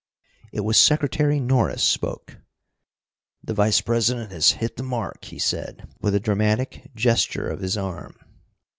It was Secretary Norris spoke. "The Vice president has hit the mark," he said, with a dramatic gesture of his arm.